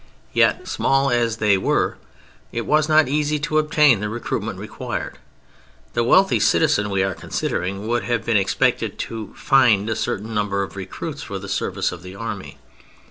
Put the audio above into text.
Yet, small as they were, it was not easy to obtain the recruitment required. The wealthy citizen we are considering would have been expected to "find" a certain number of recruits for the service of the army.